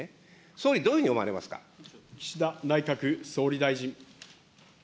総理、どういうふうに思われます岸田内閣総理大臣。